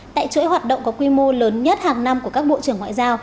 tại chuỗi hoạt động có quy mô lớn nhất hàng năm của các bộ trưởng ngoại giao